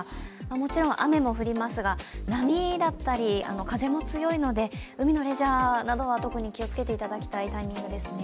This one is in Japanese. もちろん雨も降りますが、波だったり風も強いので、海のレジャーなどは特に気をつけていただきたいタイミングですね。